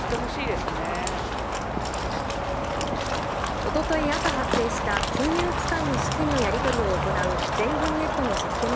おととい朝発生した金融機関の資金のやり取りを行う全銀ネットのシステム